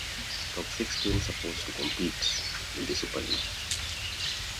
The top six teams supposed to compete in the Superleague.